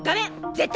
絶対！